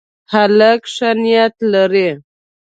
هلک ښه نیت لري.